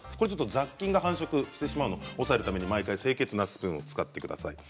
雑菌が繁殖してしまうのでそれを抑えるために清潔なスプーンを使ってください。